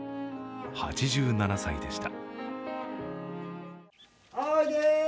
８７歳でした。